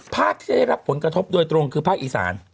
ที่จะได้รับผลกระทบโดยตรงคือภาคอีสาน